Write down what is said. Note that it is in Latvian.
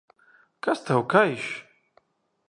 Kas tev kaiš?